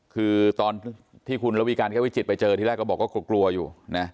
คือตอนที่คุณระวีการแก้ววิจิตไปเจอที่แรกก็บอกว่ากลัวอยู่นะ